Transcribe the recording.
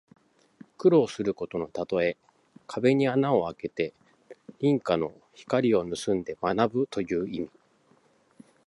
苦学することのたとえ。壁に穴をあけて隣家の光をぬすんで学ぶという意味。